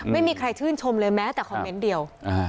ไม่มีใครชื่นชมเลยแม้แต่คอมเมนต์เดียว